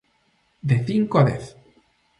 De cinco a dez.